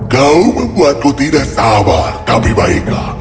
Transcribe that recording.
kau membuatku tidak sabar kami baiklah